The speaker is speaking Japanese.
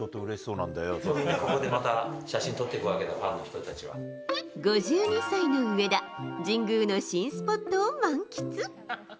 みんなここでまた写真撮っていく５２歳の上田、神宮の新スポットを満喫。